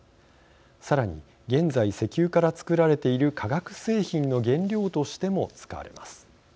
さらに現在石油から作られている化学製品の原料としても使われます。